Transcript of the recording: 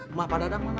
rumah pak dadang mana